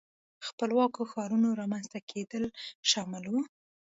خپلواکو ښارونو رامنځته کېدل شامل وو.